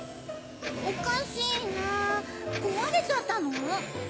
おかしいなぁこわれちゃったの？